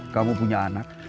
kamu punya anak